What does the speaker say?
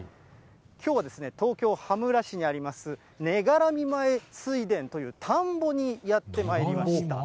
きょうはですね、東京・羽村市にあります、根がらみ前水田という田んぼにやってまいりました。